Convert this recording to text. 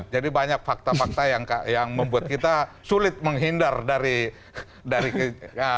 jadi banyak fakta fakta yang membuat kita sulit menghindar dari kenyataan